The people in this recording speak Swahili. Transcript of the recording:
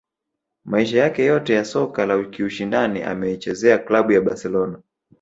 Maisha yake yote ya soka la kiushindani ameichezea klabu ya Barcelona